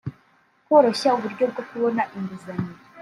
koroshya uburyo bwo kubona inguzanyo